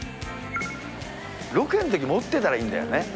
ロケのとき、持ってたらいいんだよね。